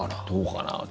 どうかな。